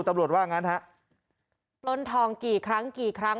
ตำรวจว่างั้นฮะปล้นทองกี่ครั้งกี่ครั้ง